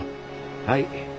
はい。